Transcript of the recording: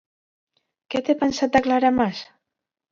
Què té pensat declarar Mas?